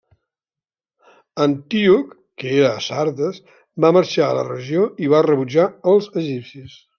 Antíoc que era a Sardes, va marxar a la regió i va rebutjar als egipcis.